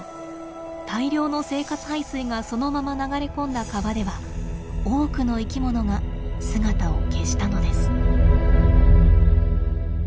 大量の生活排水がそのまま流れ込んだ川では多くの生きものが姿を消したのです。